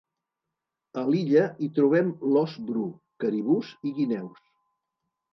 A l'illa hi trobem l'ós bru, caribús i guineus.